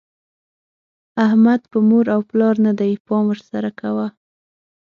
احمد په مور او پلار نه دی؛ پام ور سره کوه.